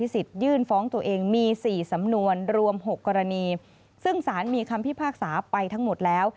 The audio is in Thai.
ซึ่งศาลมีคำพิพากษาไปทั้งหมดแล้ว